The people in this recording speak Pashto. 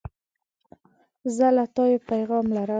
زه له تا یو پیغام لرم.